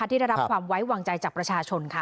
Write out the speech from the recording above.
ที่ได้รับความไว้วางใจจากประชาชนค่ะ